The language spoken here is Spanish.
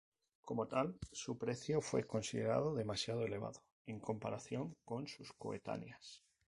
Como tal, su precio fue considerado demasiado elevado en comparación con sus coetáneas.